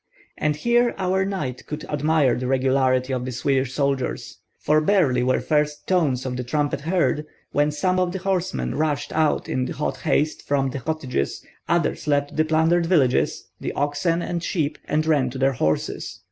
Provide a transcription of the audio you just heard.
And here our knight could admire the regularity of the Swedish soldiers; for barely were the first tones of the trumpet heard, when some of the horsemen rushed out in hot haste from the cottages, others left the plundered articles, the oxen and sheep, and ran to their horses.